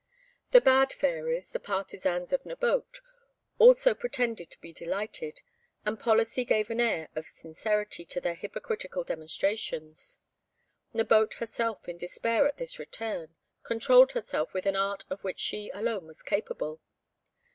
The bad fairies, the partisans of Nabote, also pretended to be delighted, and policy gave an air of sincerity to their hypocritical demonstrations. Nabote herself, in despair at this return, controlled herself with an art of which she alone was capable.